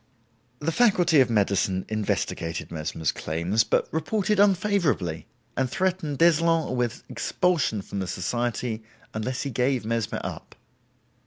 The Faculty of Medicine investigated Mesmer's claims, but reported unfavorably, and threatened d'Eslon with expulsion from the society unless he gave Mesmer up.